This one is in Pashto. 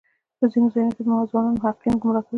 په ځینو ځایونو کې ځوان محققین ګمراه کوي.